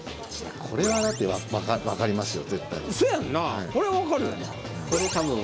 これは分かりますよね。